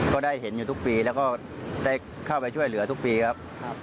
ก็ได้เห็นอยู่ทุกปีแล้วก็ได้เข้าไปช่วยเหลือทุกปีครับ